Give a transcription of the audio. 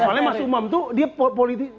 soalnya mas umam tuh dia politik